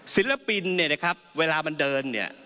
ศิลปินเนี่ยนะครับเวลามันเดินเนี่ย